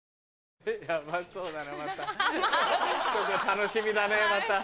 楽しみだねまた。